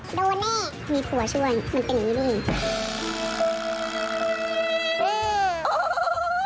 โดนี่มีขัวช่วยมันเจ็งดุดุม